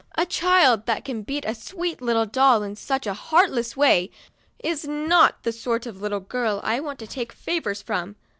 "A child that can beat a sweet little doll in such a heartless way is not the sort of little girl I want to take favors from.